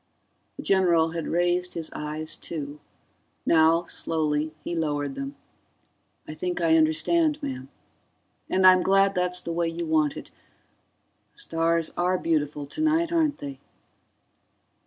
The general had raised his eyes, too; now, slowly, he lowered them. "I think I understand, ma'am. And I'm glad that's the way you want it ... The stars are beautiful tonight, aren't they."